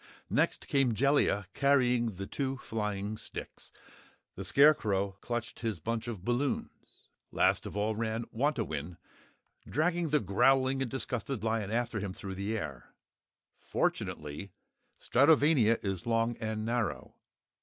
Next came Jellia, carrying the two flying sticks; the Scarecrow clutched his bunch of balloons. Last of all ran Wantowin, dragging the growling and disgusted lion after him through the air. Fortunately Stratovania is long and narrow.